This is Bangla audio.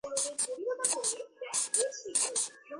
তিনি ডা. সুন্দর রেড্ডীর সাথে বিবাহবন্ধনে আবদ্ধ হন।